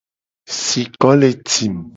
Siko le tim.